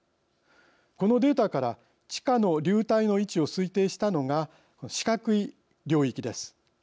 このデータから地下の流体の位置を推定したのが四角い領域です。